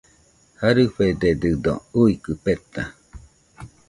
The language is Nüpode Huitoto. Jarɨfededɨdo uikɨ peta